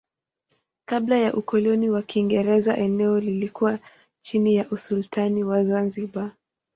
Kabla ya ukoloni wa Kiingereza eneo lilikuwa chini ya usultani wa Zanzibar.